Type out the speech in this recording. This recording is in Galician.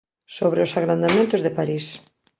Sobre os agrandamentos de París.